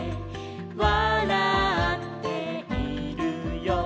「わらっているよ」